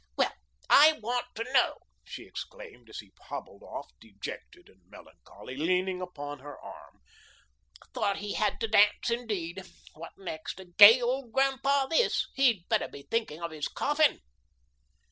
"Well, I want to know!" she exclaimed, as he hobbled off, dejected and melancholy, leaning upon her arm, "thought he had to dance, indeed! What next? A gay old grandpa, this. He'd better be thinking of his coffin."